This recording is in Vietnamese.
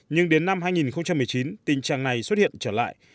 nhưng đến năm hai nghìn một mươi chín tình trạng này xuất hiện trở lại